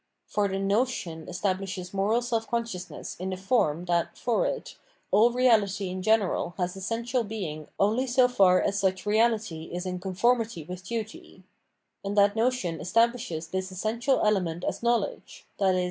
For the notion estab lishes moral self consciousness in the form that, for it, all reality in general has essential being only so far as such reality is in conformity with duty; and that notion establishes this essential element as knowledge, i.e.